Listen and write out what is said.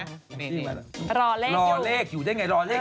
รอเลขอยู่รอเลขอยู่ได้ไงรอเลข